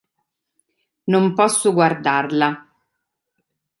Non posso guardarla.